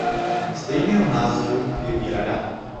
Stejného názoru je i Rada.